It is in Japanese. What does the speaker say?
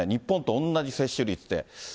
日本と同じ接種率で。